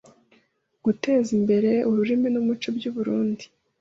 guteze imbere ururimi n’umuco by’u Burunndi